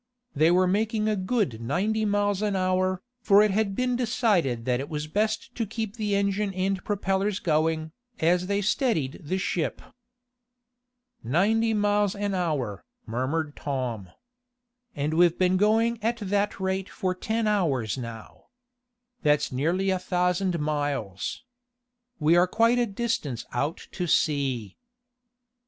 They were making a good ninety miles an hour, for it had been decided that it was best to keep the engine and propellers going, as they steadied the ship. "Ninety miles an hour," murmured Tom. "And we've been going at that rate for ten hours now. That's nearly a thousand miles. We are quite a distance out to sea."